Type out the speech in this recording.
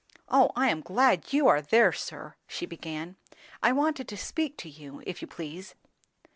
"O I am glad you are there, sir!" she began. "I wanted to speak to you, if you please."